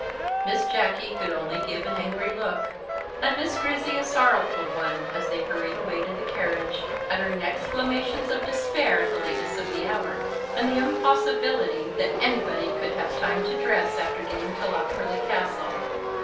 Miss Jacky could only give an angry look, and Miss Grizzy a sorrowful one, as they hurried away to the carriage, uttering exclamations of despair at the lateness of the hour, and the impossibility that anybody could have time to dress after getting to Lochmarlie Castle.